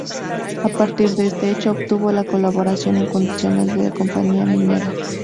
A partir de este hecho obtuvo la colaboración incondicional de la compañía minera.